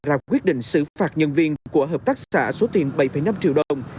ra quyết định xử phạt nhân viên của hợp tác xã số tiền bảy năm triệu đồng